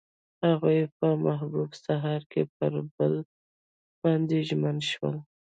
هغوی په محبوب سهار کې پر بل باندې ژمن شول.